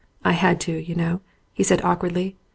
"I had to, you know," he said awkwardly.